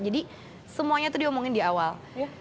jadi semuanya itu diomongin dia awal